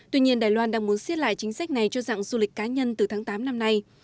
tuy nhiên đài loan đang muốn xiết lại chính sách này cho dạng du lịch cá nhân từ tháng tám năm nay